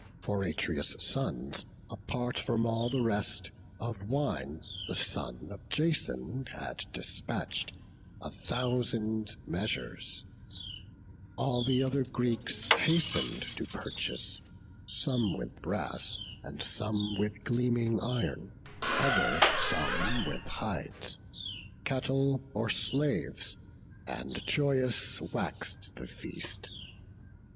For Atreus' sons, apart from all the rest, Of wine, the son of Jason had despatch'd A thousand measures; all the other Greeks Hasten'd to purchase, some with brass, and some With gleaming iron; other some with hides, Cattle, or slaves; and joyous wax'd the feast.